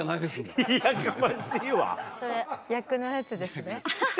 それ役のやつですね。